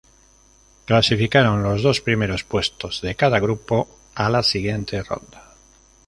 Clasificaron los dos primeros puestos de cada grupo a la siguiente ronda.